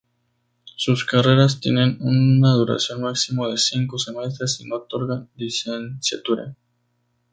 Sus carreras tienen una duración máxima de cinco semestres y no otorgan licenciatura.